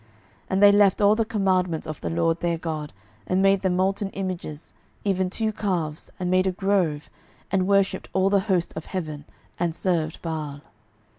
12:017:016 And they left all the commandments of the LORD their God, and made them molten images, even two calves, and made a grove, and worshipped all the host of heaven, and served Baal.